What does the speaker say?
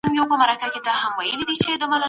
د اقتصادي پوهانو نظرونه ډېر ګټور دي.